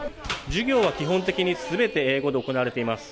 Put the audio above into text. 授業は基本的に、全て英語で行われています。